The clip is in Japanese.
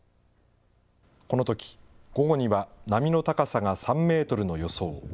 このとき、午後には波の高さが３メートルの予想。